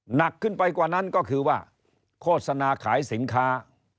หนักขึ้นไปกว่านั้นก็คือว่าโฆษณาขายสินค้า